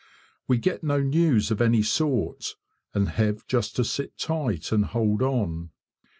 We get no news of any sort and have just to sit tight and hold on.